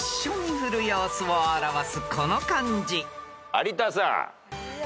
有田さん。